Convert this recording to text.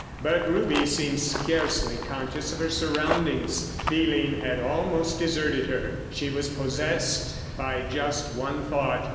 But Ruby seemed scarcely conscious of her surroundings. Feeling had almost deserted her. She was possessed by just one thought.